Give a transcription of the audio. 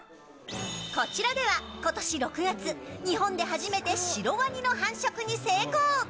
こちらでは今年６月日本で初めてシロワニの繁殖に成功。